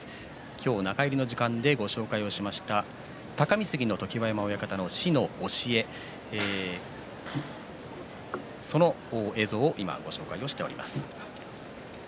今日中入りの時間でご紹介しました隆三杉の常盤山親方の「師の教え」その映像をご紹介しております。